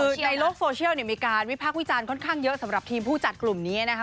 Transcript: คือในโลกโซเชียลมีการวิพากษ์วิจารณ์ค่อนข้างเยอะสำหรับทีมผู้จัดกลุ่มนี้นะคะ